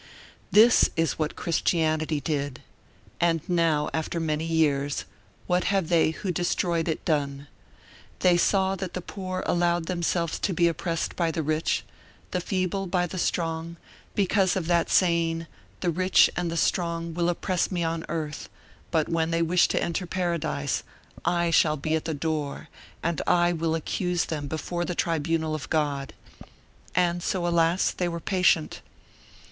That is what Christianity did; and now, after many years, what have they who destroyed it done? They saw that the poor allowed themselves to be oppressed by the rich, the feeble by the strong, because of that saying: "The rich and the strong will oppress me on earth; but when they wish to enter paradise, I shall be at the door and I will accuse them before the tribunal of God." And so, alas! they were patient.